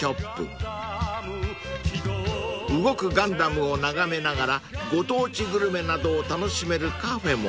動くガンダムを眺めながらご当地グルメなどを楽しめるカフェも］